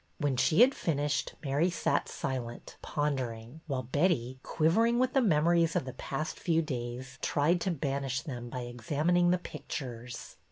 When she had finished Mary sat silent, pon dering, while Betty, quivering with the memo ries of the past few days, tried to banish them by examining the pictures.